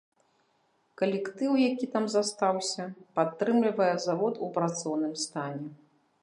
Калектыў, які там застаўся, падтрымлівае завод у працоўным стане.